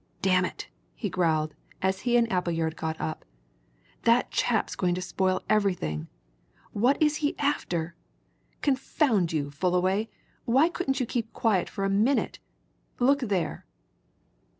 "Damn it!" he growled, as he and Appleyard got up. "That chap's going to spoil everything. What is he after? Confound you, Fullaway! why couldn't you keep quiet for a minute? Look there!"